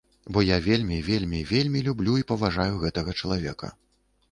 Бо я вельмі, вельмі, вельмі люблю і паважаю гэтага чалавека.